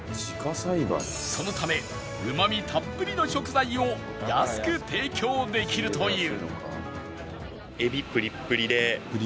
そのためうまみたっぷりの食材を安く提供できるという